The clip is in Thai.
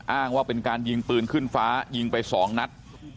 อ้างว่าเป็นการยิงปืนขึ้นฟ้ายิงไปสองนัด